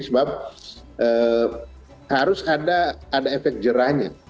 sebab harus ada efek jerahnya